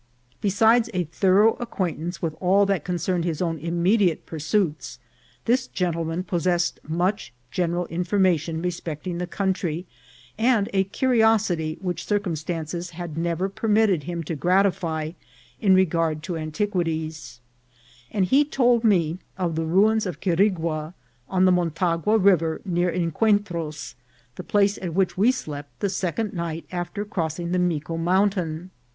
Besides a thorough acquaintance with all that concerned his own immediate pursuits, this gentleman possessed much general information respecting the country, and a curiosity which circumstances had never permitted him to gratify in regard to antiquities ; and he told me of the ruins of Quirigua, on the Motagua River, near Encuentros, the place at which we slept the second night .after crossing the Mico Mountain.